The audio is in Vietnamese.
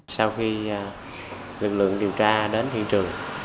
sau khi lực lượng điều tra đến hiện trường